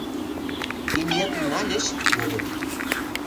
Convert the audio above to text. — Имнетым нальыч? — йодыт.